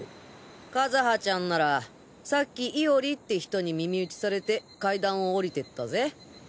和葉ちゃんならさっき伊織って人に耳打ちされて階段を降りてったぜ。